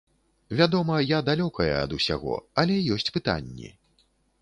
Вядома, я далёкая ад усяго, але ёсць пытанні.